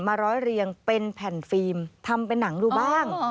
ร้อยเรียงเป็นแผ่นฟิล์มทำเป็นหนังดูบ้าง